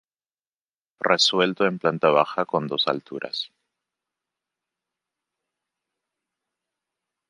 Resuelto en planta baja con dos alturas.